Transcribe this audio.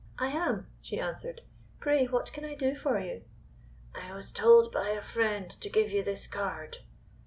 "I am," she answered. "Pray, what can I do for you?" "I was told by a friend to give you this card."